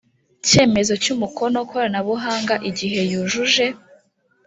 cyemezo cy umukono koranabuhanga igihe yujuje